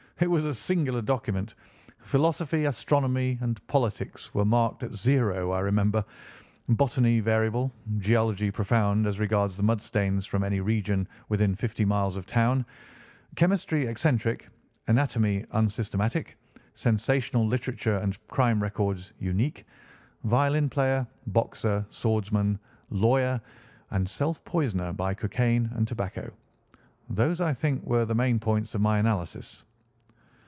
"It was a singular document. Philosophy, astronomy, and politics were marked at zero, I remember. Botany variable, geology profound as regards the mud stains from any region within fifty miles of town, chemistry eccentric, anatomy unsystematic, sensational literature and crime records unique, violin player, boxer, swordsman, lawyer, and self poisoner by cocaine and tobacco. Those, I think, were the main points of my analysis."